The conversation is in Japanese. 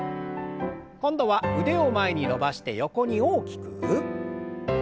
今度は腕を前に伸ばして横に大きく。